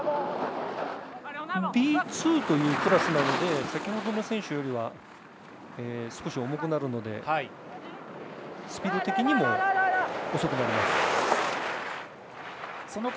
Ｂ２というクラスなので先ほどの選手よりは少し重くなるのでスピード的にも遅くなります。